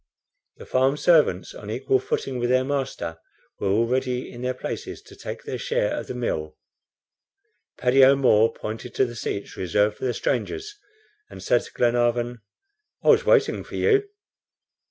The farm servants, on equal footing with their master, were already in their places to take their share of the meal. Paddy O'Moore pointed to the seats reserved for the strangers, and said to Glenarvan: "I was waiting for you."